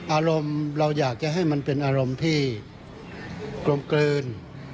อารมณ์เราอยากจะให้มันเป็นอารมณ์ที่กลมกลืน